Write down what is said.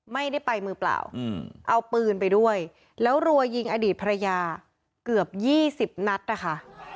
ไม่ได้ไปมือเปล่าเอาปืนไปด้วยแล้วรัวยิงอดีตภรรยาเกือบ๒๐นัดนะคะ